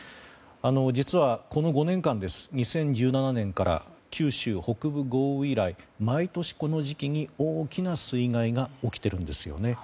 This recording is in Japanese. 実はこの５年間、２０１７年から九州北部豪雨以来毎年、この時期に大きな水害が起きているんですよね。